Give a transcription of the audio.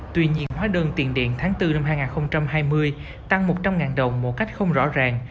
tuy nhiên hóa đơn tiền điện tháng bốn năm hai nghìn hai mươi tăng một trăm linh đồng một cách không rõ ràng